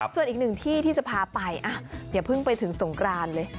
ส่วนอีกหนึ่งที่ที่จะพาไปอย่าเพิ่งไปถึงสงกรานเลย